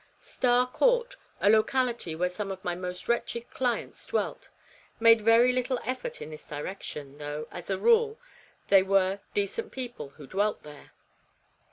Star Court, a locality where some of my most wretched clients dwelt, made very little effort in this direction, though, as a rule, they were decent people who dwelt there.